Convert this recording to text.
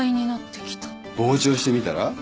傍聴してみたら？